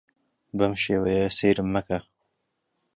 بەو شێوەیە سەیرم مەکە.